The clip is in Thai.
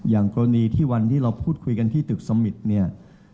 อย่างกรณีที่วันที่เราพูดคุยกันที่ตึกสมิตรเนี่ย